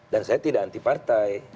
dan saya tidak anti partai